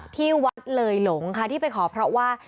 ที่วัดเลยหลงค่ะที่ไปขอเพราะว่า